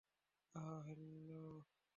আহ, Harlow?